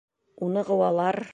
Уны ҡыуалар.